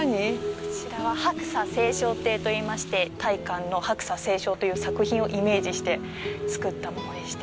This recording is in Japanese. こちらは、白砂青松庭といいまして大観の「白砂青松」という作品をイメージして造ったものでして。